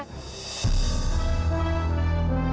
itu bukan pengabdian sofie